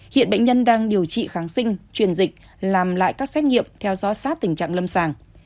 hiện bệnh nhân đang điều trị kháng sinh truyền dịch làm lại các xét nghiệm theo dõi sát tình trạng lâm sàng